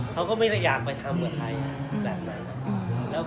เขาก็ไม่ได้อยากไปทำกับใคร